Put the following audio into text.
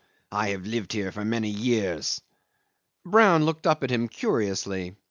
I have lived here for many years." Brown looked up at him curiously.